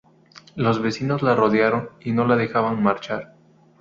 Los vecinos la rodearon y no la dejaban marchar.